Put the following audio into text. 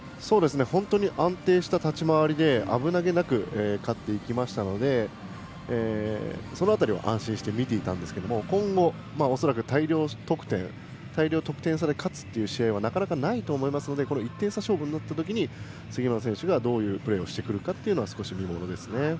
本当に安定した立ち回りで危なげなく勝っていきましたのでその辺りは安心して見ていたんですけれども今後、恐らく大量得点差で勝つという試合はなかなかないと思いますので１点差勝負になったときに杉村選手がどういうプレーをしてくるか少し見ものですね。